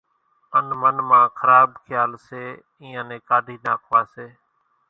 ان من مان خراٻ کيال سي اينيان نين ڪاڍي ناکوا سي